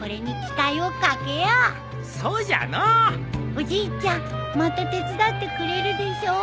おじいちゃんまた手伝ってくれるでしょ？